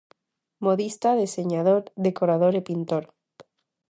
Modista, deseñador, decorador e pintor.